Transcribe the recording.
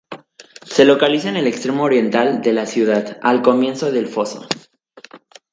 Se localiza en el extremo oriental de la ciudad, al comienzo del foso.